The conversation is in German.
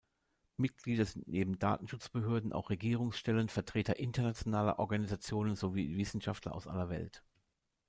Mitglieder sind neben Datenschutzbehörden auch Regierungsstellen, Vertreter internationaler Organisationen sowie Wissenschaftler aus aller Welt.